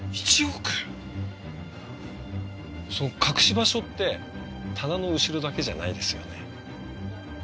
その隠し場所って棚の後ろだけじゃないですよね？